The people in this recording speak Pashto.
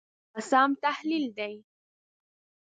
دا سم تحلیل دی.